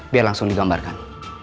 biar langsung digambarkan